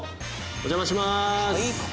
お邪魔します！